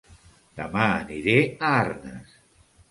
Dema aniré a Arnes